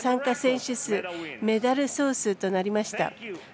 手数メダル総数となりました。